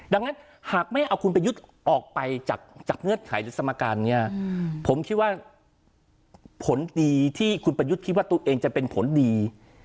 ดังนั้นหากไม่เอาคุณประยุทธ์ออกไปจากเงื่อนไขหรือสมการนี้ผมคิดว่าผลดีที่คุณประยุทธ์คิดว่าตัวเองจะเป็นผลดี